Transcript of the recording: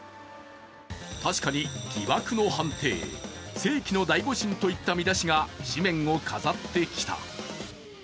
確かに、疑惑の判定、世紀の大誤審といった見出しが紙面を飾ってきた。